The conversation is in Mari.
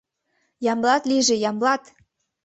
Ямблат лийже, Ямблат!